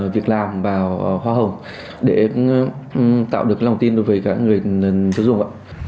việc làm và hoa hồng để tạo được lòng tin đối với các người sử dụng